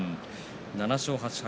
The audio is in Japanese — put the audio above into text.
７勝８敗。